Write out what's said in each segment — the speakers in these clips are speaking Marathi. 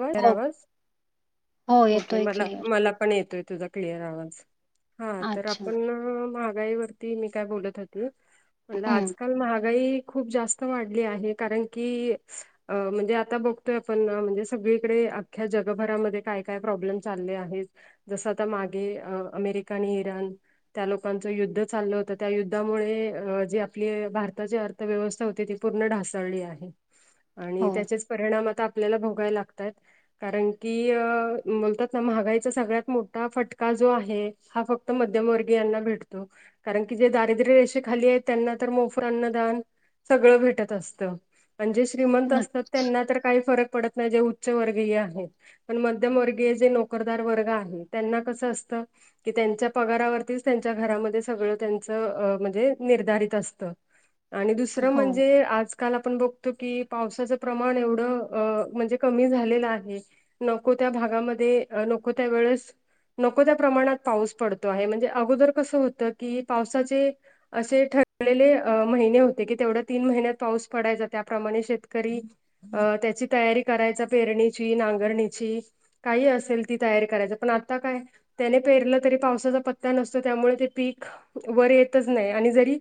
वा तेरावाज हो ओके येतोय मला क्लिअर. मला पण येतोय तुझा? क्लिअर आवाज हा तर अच्छा. आपण महागाईवरती मी काय बोलत होत ना. म्हणलं हं. आजकाल महागाई खप जास्त वाढली आहे कारण की म्हणजे आता बघतोय आपण म्हणजे सगळीकडे अख्ख्या जगभरामध्ये काय काय प्रॉब्लेम चालले आहेत. जसं आता मागे अ अमेरिका आणि इराण त्या लोकांचं युद्ध चाललं होतं त्या युद्धामुळे जे आपले भारताचे अर्थ व्यवस्था हो ती पूर्ण ढासळली आहे आणि हो. त्याचेच परिणाम आता आपल्याला लागतात. कारण की अ बोलतात ना महागाईचा सगळ्यात मोठा फटका जो आहे. हा फक्त मध्यमवर्गीयाना भेटतो कारण की जे दारिद्र्य रेषे खाली आहेत त्यांना तर मोफ अन्नदान सगळं भेटत असत म्हणजे श्रीमंत नक्की. असतात त्यांना तर काही फरक पडत जे उच्च वर्गीय आहेत. पण मध्यमवर्गीय जे नोकरदार वर्ग आहे त्यांना कसं असतं. की त्यांच्या पगारावरतीच त्यांच्या घरामध्ये सगळं त्यांच म्हणजे निर्धारित असतं. आणि दुसरं हो. म्हणजे आजकाल आपण बघतो की पावसाचं प्रमाण एवढं अ म्हणजे कमी झालेला आहे नको त्या भागामध्ये नको त्या वेळेस नको त्या प्रमाणात पाऊस पडतो आहे म्हणजे अगोदर कसं होतं की पावसाचे असे ठरलेले महिने होते की तेवढा तीन महिन्यात पाऊस पडायचा त्याप्रमाणे शेतकरी अ त्याची तयारी करायचा पेरणीची नांगरणीची काही असेल ती तयारी करायचं पण आता काय त्याने पेरलं तरी पावसाचा पत्ता नसतो त्यामुळे ते पीक वर येतच नाही आणि जरी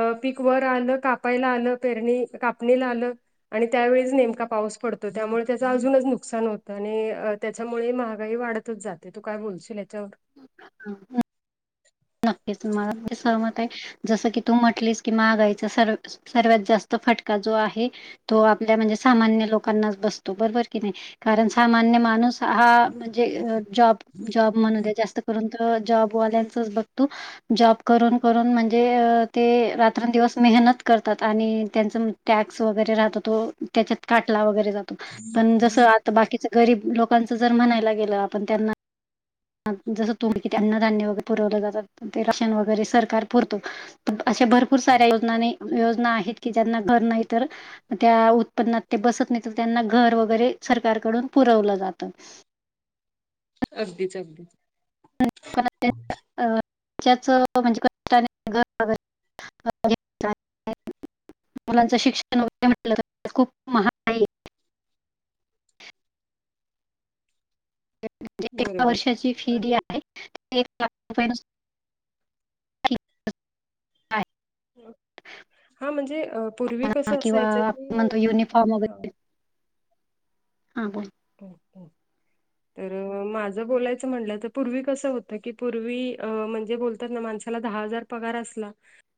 अ पीक वर आलं कापायला आलं पेरणी कापणीला आलं आणि त्यावेळीस नेमका पाऊस पडतो. त्यामुळे त्याचं अजूनच नुकसान होतं आणि त्याच्यामुळे महागाई वाढतच जाते तू काय बोलशील याच्यावर ह ह नक्कीच मला म्हणे सहमत आहे जसं की तू म्हटलीस की माहागायच सर्व सर्वात जास्त फटका जो आहे. तो आपल्या म्हणजे सामान्य लोकांनाच बसतो बरोबर की नाही कारण सामान्य माणूस हा म्हणजे जॉब जॉब म्हणू द जास्त करून तर जॉबवाल्यांचच बघ त जॉब करून करून म्हणजे ते रात्रांंदिवस मेहनत करतात आणि त्यांचं टॅक्स वगैरे राहात तो त्याच्यात काटला वगैरे जातो. पण जस आ बाकीच गरीब लोकांच जर म्हणायला गेलं आपण त्यां जसं तुम्ही किती अन्नधान्य वगैरे पुरवलं जातात ते राशन वगैरे सरकार पुरतो. अशा भरपूर साऱ्या योजनाने योजना आहेत की ज्यांना घर नाही तर त्या उत्पन्नात ते बसत नाही तर त्यांना घर वगैरे सरकारकडून पुरवलं जातं. अगदीच अगदी म्हणजे कर मुलांच शिक्षण वरे म्ह खूप म एका बरोबर वर्षाची फी आणि एक ला रुपय हम् हा म्हणजे पूर्वी कसं किंवा असायचं आपण की, म्हणतो युनिफॉर्म वगैरे हा बोल ब ह तर माझं बोलायचं म्हणलं तर पूर्वी कसं होतं की पूर्वी म्हणजे बोलतात ना माणस.. त्याला दहा हजार पगार असला.